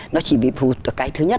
nó chỉ bị phụ thuộc vào cái thứ nhất